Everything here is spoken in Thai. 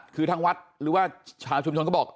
คือทางวัดหรือว่าชาวชุมชนก็บอก